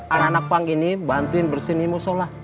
anak anak pang ini bantuin bersihin ini mushola